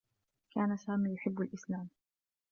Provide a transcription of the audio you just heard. كان سامي يحبّ الإسلام.